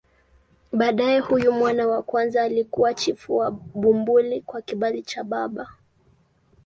Baadaye huyu mwana wa kwanza alikuwa chifu wa Bumbuli kwa kibali cha baba.